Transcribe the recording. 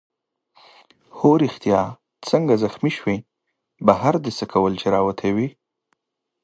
هو ریښتیا څنګه زخمي شوې؟ بهر دې څه کول چي راوتی وې؟